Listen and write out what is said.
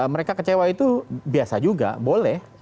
mereka kecewa itu biasa juga boleh